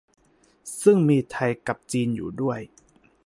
ซึ่งมีไทยกับจีนอยู่ด้วย